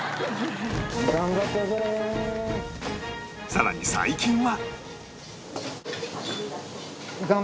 さらに最近は